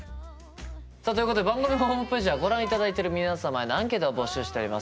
さあということで番組ホームページではご覧いただいている皆様へのアンケートを募集しております。